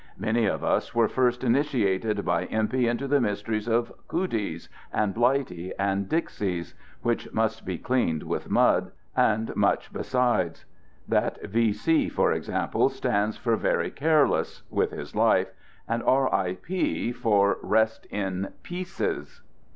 Many of us were first initiated by Empey into the mysteries of "cooties" and "Mighty" and "dixies" (which must be cleaned "THE GOOD SOLDIER 99 169 with mud!) and much besides; that V. C, for ex ample, stands for "very careless" (with his life), and R. I. P. for " rest in pieces."